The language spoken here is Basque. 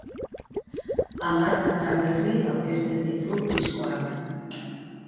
Hamar kanta berri aurkezten ditu diskoak.